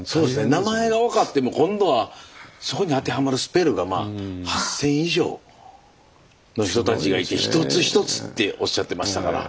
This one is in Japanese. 名前が分かっても今度はそこに当てはまるスペルがまあ８，０００以上の人たちがいて一つ一つっておっしゃってましたから。